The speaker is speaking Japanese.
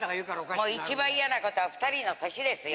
もう一番嫌な事は２人の年ですよ。